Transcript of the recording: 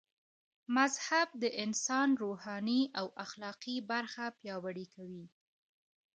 مذهب د انسان روحاني او اخلاقي برخه پياوړي کوي